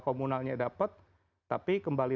komunalnya dapat tapi kembali